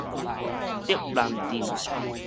竹南鎮